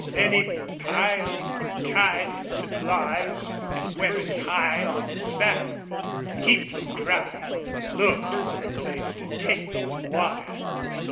Then he piled and tied his supplies and weapons high on the saddle, to keep them dry, and looked for a place to take to the water.